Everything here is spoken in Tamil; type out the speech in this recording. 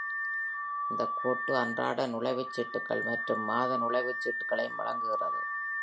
இந்தக் கோட்டு அன்றாட நுழைவுச்சீட்டுகள் மற்றும் மாத நுழைவுச்சீட்டுகளையும் வழங்குகிறது.